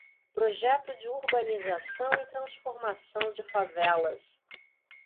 Projeto de urbanização e transformação de favelas